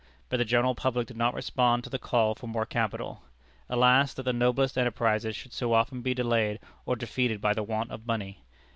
But the general public did not respond to the call for more capital. Alas that the noblest enterprises should so often be delayed or defeated by the want of money!